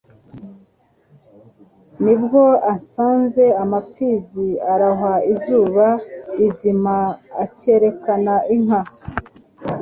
Ni bwo asanze amapfizi arohaIzuba rizima akerekana inka